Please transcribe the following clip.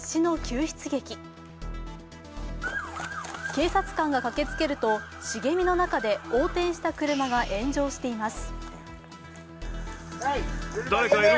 警察官が駆けつけると茂みの中で横転した車が炎上しています。